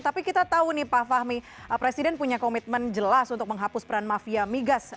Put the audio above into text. tapi kita tahu nih pak fahmi presiden punya komitmen jelas untuk menghapus peran mafia migas